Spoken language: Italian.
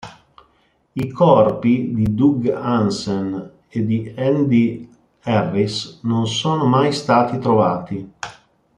I corpi di Doug Hansen e di Andy Harris non sono mai stati trovati.